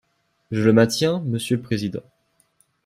Je le maintiens, monsieur le président.